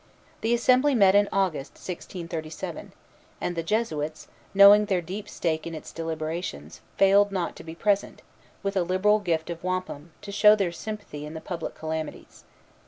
The assembly met in August, 1637; and the Jesuits, knowing their deep stake in its deliberations, failed not to be present, with a liberal gift of wampum, to show their sympathy in the public calamities.